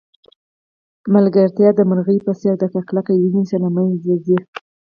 ملګرتیا د مرغۍ په څېر ده که کلکه یې ونیسئ له منځه ځي.